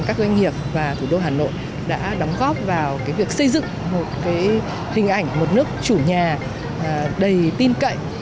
doanh nghiệp và thủ đô hà nội đã đóng góp vào cái việc xây dựng một cái hình ảnh một nước chủ nhà đầy tin cậy